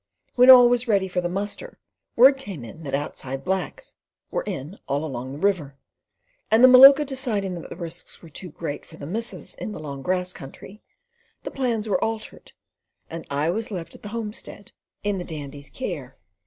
When all was ready for the muster, word came in that outside blacks were in all along the river, and the Maluka deciding that the risks were too great for the missus in long grass country, the plans were altered, and I was left at the homestead in the Dandy's care.